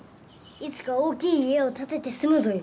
いつか大きい家を建てて住むぞよ。